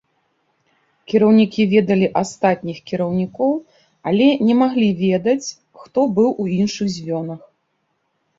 Кіраўнікі ведалі астатніх кіраўнікоў, але не маглі ведаць, хто быў у іншых звёнах.